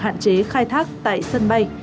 hạn chế khai thác tại sân bay